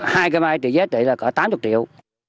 hai cây mai trị giá trị là có tám mươi triệu